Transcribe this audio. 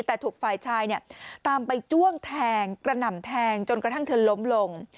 แต่ถูกฝ่ายชายตามไปจ้วงแทงกระหน่ำแทงจนกระทั่งเธอล้มลง